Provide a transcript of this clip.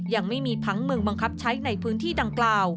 ยังไม่มีผังเมืองบังคับใช้ในพื้นที่ดังกล่าว